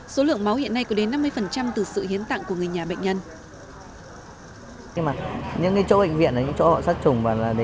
số lượng máu hiện nay có đến năm mươi từ sự hiến tặng của người nhà bệnh nhân